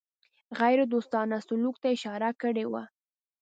غیردوستانه سلوک ته اشاره کړې وه.